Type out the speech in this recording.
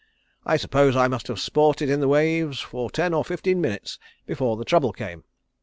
I suppose I must have sported in the waves for ten or fifteen minutes before the trouble came.